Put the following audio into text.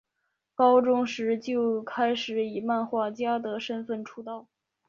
高中时就开始以漫画家的身份出道。